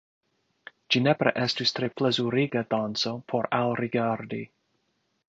Ĝi nepre estus tre plezuriga danco por alrigardi.